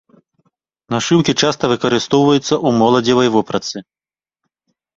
Нашыўкі часта выкарыстоўваюцца ў моладзевай вопратцы.